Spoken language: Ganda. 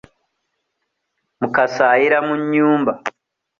Mukasa ayera mu nnyumba.